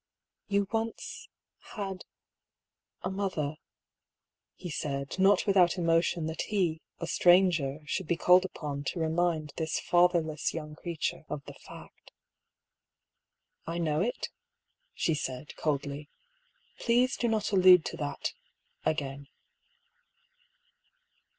" You once — had — a mother," he said, not without emotion that he, a stranger, should be called upon to remind this fatherless young creature of the fact. " I know it," she said, coldly. " Please do not al lude to that — again."